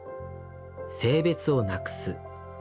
「性別をなくす。